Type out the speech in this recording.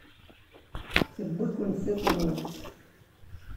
Tewwi-kent tiṭ-nwent.